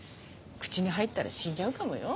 口に入ったら死んじゃうかもよ。